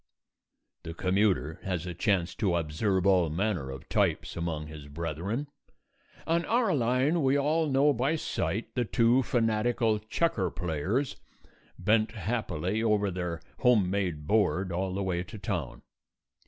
The commuter has a chance to observe all manner of types among his brethren. On our line we all know by sight the two fanatical checker players, bent happily over their homemade board all the way to town.